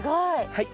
はい。